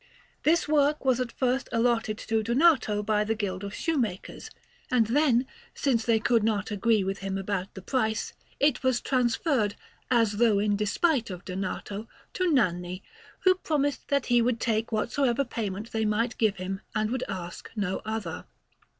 This work was at first allotted to Donato by the Guild of Shoemakers, and then, since they could not agree with him about the price, it was transferred, as though in despite of Donato, to Nanni, who promised that he would take whatsoever payment they might give him, and would ask no other.